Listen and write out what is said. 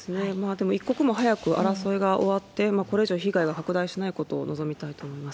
でも一刻も早く争いが終わって、これ以上被害が拡大しないことを望みたいと思います。